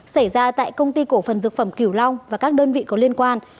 xảy ra tại công ty cổ phần dược phẩm kiểu long và các đơn vị có liên quan